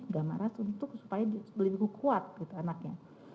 gamaras supaya lebih kuat anaknya